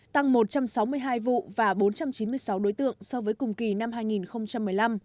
tăng một trăm sáu mươi hai vụ và bốn trăm chín mươi sáu đối tượng so với cùng kỳ năm hai nghìn một mươi năm